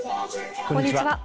こんにちは。